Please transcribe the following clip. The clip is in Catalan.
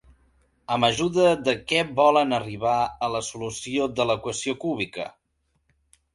Amb ajuda de què volen arribar a la solució de l'equació cúbica?